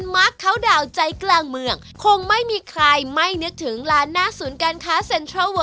วันไหนและทานเมนูอะไร